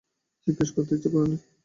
জিজ্ঞেস করতে ইচ্ছা করে নি।